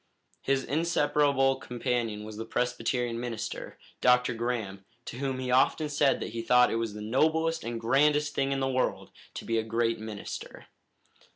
His inseparable companion was the Presbyterian minister, Dr. Graham, to whom he often said that he thought it was the noblest and grandest thing in the world to be a great minister.